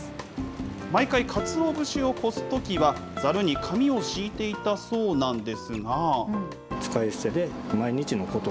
毎回、かつお節をこすときは、ザルに紙を敷いていたそうなんですが。